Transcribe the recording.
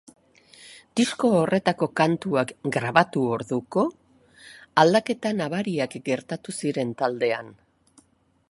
Disko horretarako kantuak grabatu orduko, aldaketa nabariak gertatu ziren taldean.